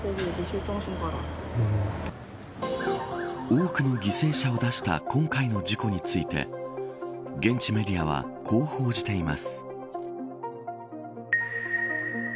多くの犠牲者を出した今回の事故について現地メディアはこう報じています。